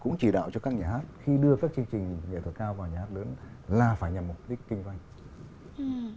cũng chỉ đạo cho các nhà hát khi đưa các chương trình nghệ thuật cao vào nhà hát lớn là phải nhằm mục đích kinh doanh